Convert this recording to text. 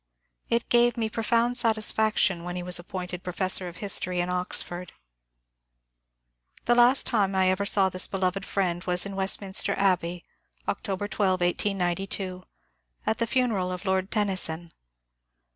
It gave me profound satisfaction when he was appointed professor of history in Oxford. The last time I ever saw this beloved friend was in West minster Abbey, October 12, 1892, at the funeral of Lord Tennyson.